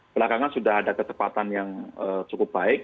belakangan sudah ada kecepatan yang cukup baik